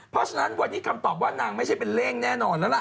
เพราะฉะนั้นวันนี้คำตอบว่านางไม่ใช่เป็นเลขแน่นอนแล้วล่ะ